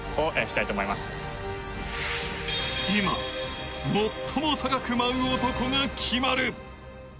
今、最も高く舞う男が決まる。